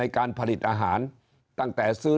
ตัวเลขการแพร่กระจายในต่างจังหวัดมีอัตราที่สูงขึ้น